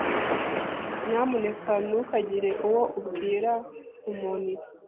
Nyamuneka ntukagire uwo ubwira umuntu ibi.